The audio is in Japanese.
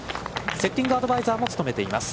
セッティングアドバイザーも務めています